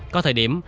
có thời điểm